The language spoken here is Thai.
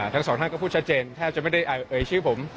ทั้งสองท่านก็พูดชัดเจนแทบจะไม่ได้เอ่ยชื่อผม